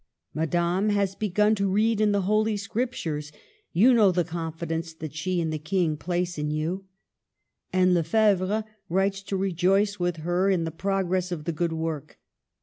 '' Madame has begun to read in the Holy Scriptures. You know the confidence that she and the King place in you." And Lefebvre^ writes to rejoice with her in the progress of the good work.